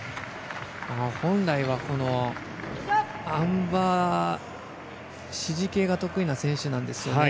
本来はあん馬、支持系が得意な選手なんですけどね。